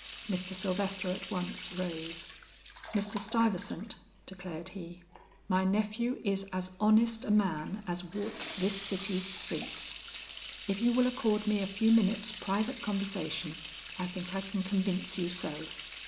Mr. Sylvester at once rose. "Mr. Stuyvesant," declared he, "my nephew is as honest a man as walks this city's streets. If you will accord me a few minutes private conversation, I think I can convince you so."